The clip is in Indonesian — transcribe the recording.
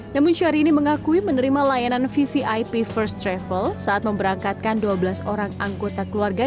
namun syahrini mengakui menerima layanan vvip first travel saat memberangkatkan dua belas orang anggota keluarga